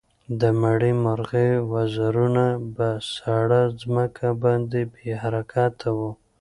د مړې مرغۍ وزرونه په سړه ځمکه باندې بې حرکته وو.